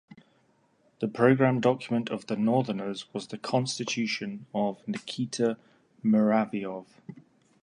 The program document of the "northerners" was the "Constitution" of Nikita Muravyov.